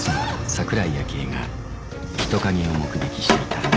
桜井秋絵が人影を目撃していた